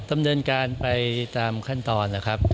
ดำเนินการไปตามขั้นตอนนะครับ